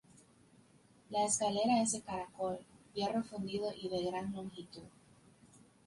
La escalera es de caracol, hierro fundido y de gran longitud.